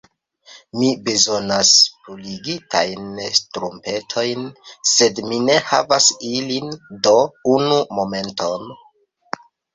Mi bezonas purigitajn ŝtrumpetojn sed mi ne havas ilin do... unu momenton...